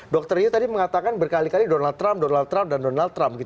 dr yu tadi mengatakan berkali kali donald trump donald trump dan donald trump